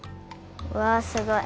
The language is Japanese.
うわすごい。